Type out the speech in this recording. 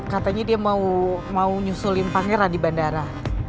katanya dia mau nyusulin pangeran di bandara